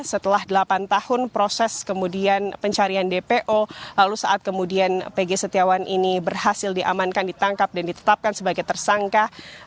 setelah delapan tahun proses kemudian pencarian dpo lalu saat kemudian pg setiawan ini berhasil diamankan ditangkap dan ditetapkan sebagai tersangka